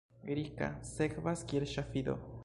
Rika, sekvas kiel ŝafido.